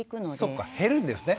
そっか減るんですね。